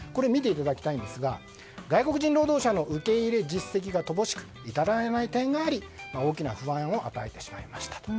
見ていただきたいんですが外国人労働者の受け入れ実績が乏しく至らない点があり大きな不安を与えてしまいました。